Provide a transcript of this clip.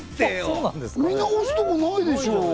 見直すところないでしょ！